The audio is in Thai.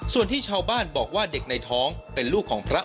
ส่วนที่ชาวบ้านบอกว่าเด็กในท้องเป็นลูกของพระ